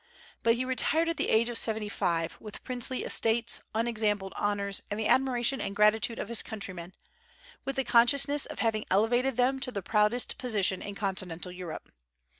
But he retired at the age of seventy five, with princely estates, unexampled honors, and the admiration and gratitude of his countrymen; with the consciousness of having elevated them to the proudest position in continental Europe.